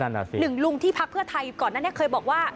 หนึ่งลุงที่พักเพื่อไทยก่อนนั้นเคยบอกว่า